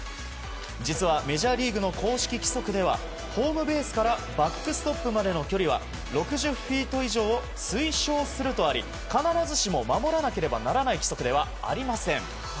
実はメジャーリーグの公式規則ではホームベースからバックストップまでの距離は６０フィート以上を推奨するとあり必ずしも守らなければならない規則ではありません。